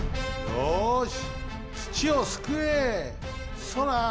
よし！